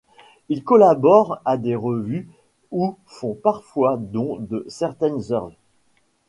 Ils collaborent à des revues ou font parfois don de certaines œuvres.